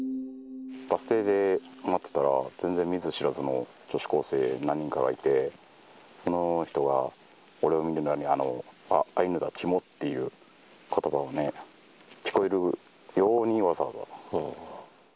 バス停で待ってたら、全然見ず知らずの女子高生何人かがいて、その人が俺を見て、あの、あっ、アイヌだ、きもっていう、ことばをね、聞こえるように、わざわざ。